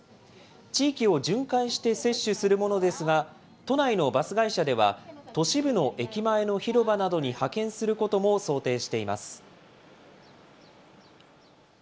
地域を巡回して接種するものですが、都内のバス会社では、都市部の駅前の広場などに派遣することも想定しています。